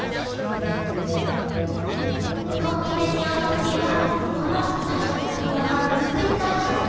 ホッキ飯おむすびはこの炊き込みごはん作りから始めます。